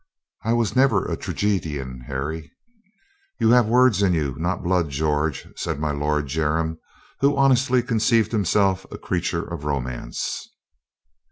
I was never a tragedian, Harry." "You have words in you, not blood, George," said MY LORD DIGBY UPON WOMAN 165 my Lord Jermyn, who honestly conceived himself a creature of romance.